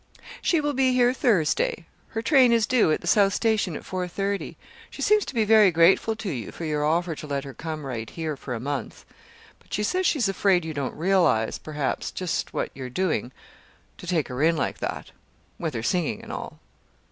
"She will be here Thursday. Her train is due at the South Station at four thirty. She seems to be very grateful to you for your offer to let her come right here for a month; but she says she's afraid you don't realize, perhaps, just what you are doing to take her in like that, with her singing, and all."